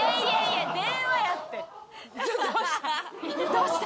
「どうした！？